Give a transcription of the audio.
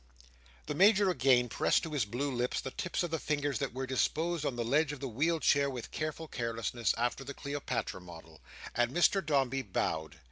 The Major again pressed to his blue lips the tips of the fingers that were disposed on the ledge of the wheeled chair with careful carelessness, after the Cleopatra model: and Mr Dombey bowed.